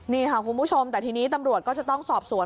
นี่ค่ะคุณผู้ชมแต่ทีนี้ตำรวจก็จะต้องสอบสวน